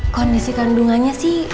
kondisi kandungannya sih